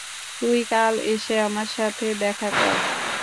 তুই কাল এসে আমার সাথে দেখা কর।